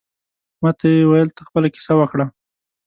ماته یې ویل ته خپله کیسه وکړه.